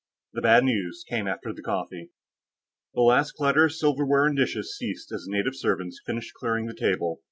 The Bad News Came After the Coffee The last clatter of silverware and dishes ceased as the native servants finished clearing the table.